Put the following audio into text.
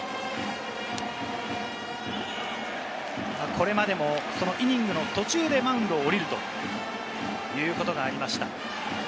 これまでもイニングの途中でマウンドを降りるということがありました。